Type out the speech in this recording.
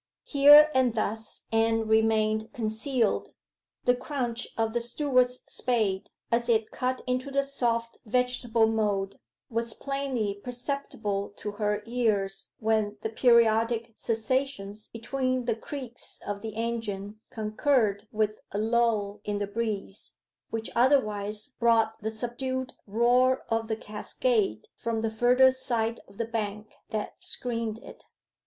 Here and thus Anne remained concealed. The crunch of the steward's spade, as it cut into the soft vegetable mould, was plainly perceptible to her ears when the periodic cessations between the creaks of the engine concurred with a lull in the breeze, which otherwise brought the subdued roar of the cascade from the further side of the bank that screened it.